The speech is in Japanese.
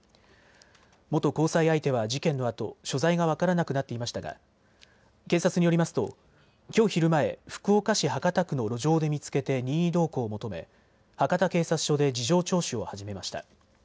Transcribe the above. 元交際相手は事件のあと所在が分からなくなっていましたが警察によりますときょう昼前、福岡市博多区の路上で見つけて任意同行を求め博多警察署で事情聴取を始めました。